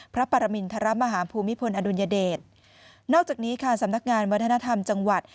พระปรมินทรมาฮาภูมิพลอดุลยเดชนอกจากนี้ค่ะสำนักงานวัฒนธรรมจังหวัด